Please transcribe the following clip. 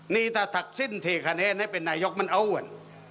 นี่ถ้าทักสิ้นเทคะแนนให้เป็นนายกมันเอาอ้วน